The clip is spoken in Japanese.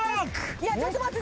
いやちょっと待って。